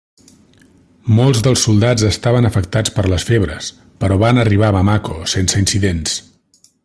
Molts dels soldats estaven afectats per les febres però van arribar a Bamako sense incidents.